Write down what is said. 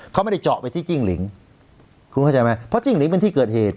เขาไม่ได้เจาะไปที่จิ้งหลิงคุณเข้าใจไหมเพราะจิ้งหลิงเป็นที่เกิดเหตุ